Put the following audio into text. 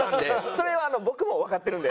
それは僕もわかってるので。